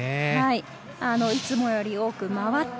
いつもより多く回って